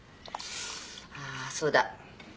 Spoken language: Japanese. あそうだ。